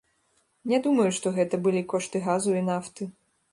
Не думаю, што гэта былі кошты газу і нафты.